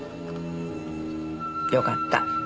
よかった。